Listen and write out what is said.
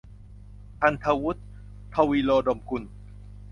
ธันย์ฐวุฒิ ทวีวโรดมกุล